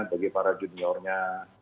bagi para juniornya